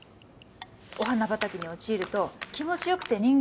お花畑に陥ると気持ちよくて人間